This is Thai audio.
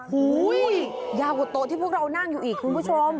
ยาวกว่าโต๊ะที่พวกเรานั่งอยู่อีกคุณผู้ชม